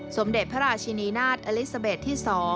สมเด็จพระราชินีนาฏอลิซาเบสที่๒